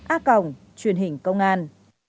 a cồng truyện hình công an